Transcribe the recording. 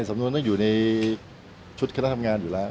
สำนวนต้องอยู่ในชุดคณะทำงานอยู่แล้ว